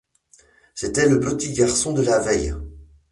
C’était le petit garçon de la vieille.